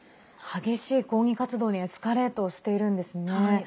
激しい抗議活動にエスカレートしているんですね。